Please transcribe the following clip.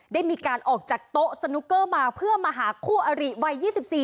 ได้มีการออกจากโต๊ะสนุกเกอร์มาเพื่อมาหาคู่อริวัย๒๔